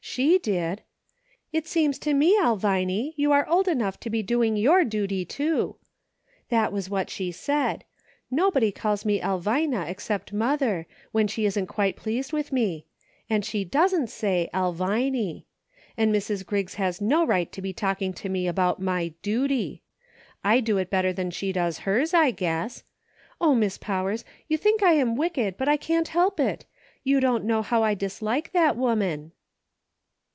She did. * It seems to me, Elviny, you are old enough to be doing your dooty too.' That was what she said. Nobody calls me Elvina except mother, when she isn't quite pleased with me ; and she doesn't say 'Elviny.' And Mrs. Griggs has "WILL YOU?" 85 no right to be talking to me about my * dooty.' I do it better than she does hers, I guess. O, Miss Powers ! you think I am wicked, but I can't help it ; you don't know how I dislike that woman."